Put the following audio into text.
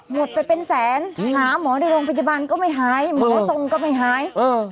หมดไปเป็นแสนหาหมอในโรงพยาบาลก็ไม่หายหมอทรงก็ไม่หาย